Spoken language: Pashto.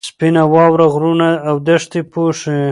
سپینه واوره غرونه او دښتې پوښي.